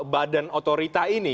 badan otorita ini